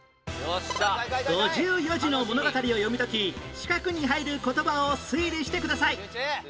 ５４字の物語を読み解き四角に入る言葉を推理してください